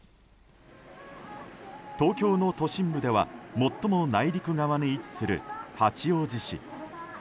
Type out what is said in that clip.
東京の都心部では最も内陸側に位置する八王子市。